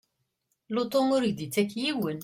Lutu ur k-d-ittak yiwen.